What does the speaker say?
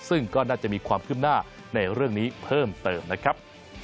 ซึ่งก็น่าจะมีความขึ้นหน้าในเรื่องนี้เพิ่มเติมนะครับ